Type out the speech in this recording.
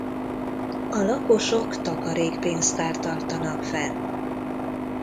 A lakosok takarékpénztárt tartanak fenn.